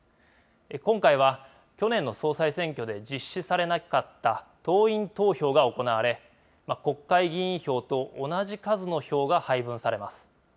今回は去年の総裁選挙で実施されなかった党員投票が行われ、国会議員票と同じ数の票が配分されます。